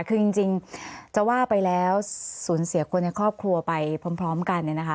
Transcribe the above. คือจริงจะว่าไปแล้วสูญเสียคนในครอบครัวไปพร้อมกันเนี่ยนะคะ